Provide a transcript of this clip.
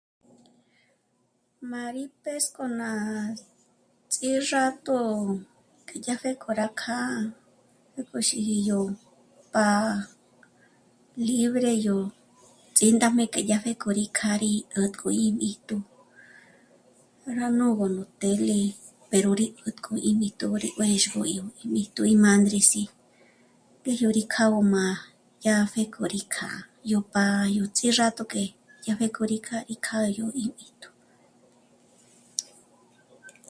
Má rí pês'k'o ná ts'írato k'e yá pjéko rá kjâ'a 'ä̀tpjü xídyi yó pa... libre yó ts'índajme que yá pjéko rí kjâ'a, rí 'ä̀tk'o íb'íjtu, rá nôgü nú tele pero rí 'ätk'ó íb'íjtu mbó rí juë̌zhgö íb'íjtu í mândres'i pero rí k'â'a gó má'a, yá pjéko rí kjâ'a yó pá'a yó ts'írato que yá pjéko rí kjâ'a í k'àdyo íb'íjtu